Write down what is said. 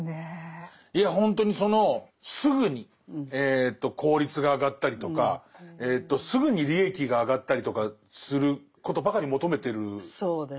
いやほんとにそのすぐに効率が上がったりとかすぐに利益が上がったりとかすることばかり求めてるじゃないですか。